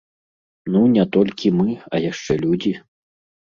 Ну, не толькі мы, а яшчэ людзі.